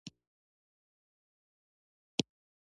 هېڅ خبره نشته، رښتیا وایم هېڅ خبره نشته.